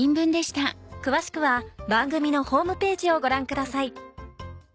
詳しくは番組のホームページをご覧ください。